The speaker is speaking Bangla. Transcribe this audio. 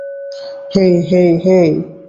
হেই, হেই, হেই।